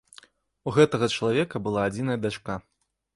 У гэтага чалавека была адзіная дачка.